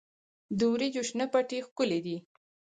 د وریجو شنه پټي ښکلي دي.